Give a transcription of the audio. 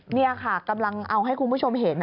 นี่ค่ะกำลังเอาให้คุณผู้ชมเห็น